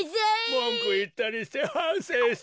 もんくをいったりしてはんせいしてます。